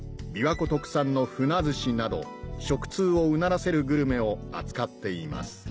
琵琶湖特産のフナ寿司など食通をうならせるグルメを扱っています